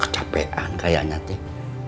kecapean kayaknya teh